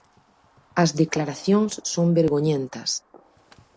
As declaracións son vergoñentas.